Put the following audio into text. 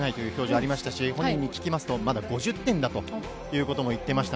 本人に聞きますとまだ５０点だということも言っていました。